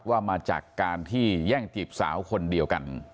ว่ามาจากการที่แย่งจีบสาวคนเดียวกัน